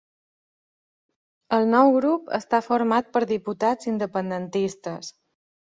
El nou grup està format per diputats independentistes